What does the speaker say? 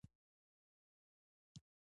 چرګ بانګ وايي او خلک راویښوي